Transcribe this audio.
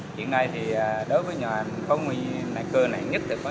hiện nay thì đối với nhòa có nguyên cơ này nhất thì có nhòa tóc má hoàn toàn